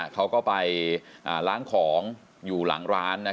เขาก็ไปล้างของอยู่หลังร้าน